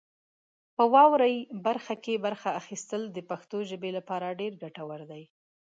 په واورئ برخه کې برخه اخیستل د پښتو ژبې لپاره ډېر ګټور دي.